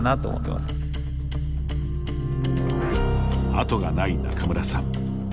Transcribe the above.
後がない仲邑さん。